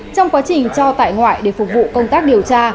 trong quá trình cho tại ngoại để phục vụ công tác điều tra